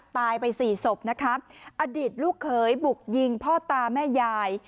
ไปสี่ศพนะคะอดีตลูกเขยบุกยิงพ่อตาแม่ยาย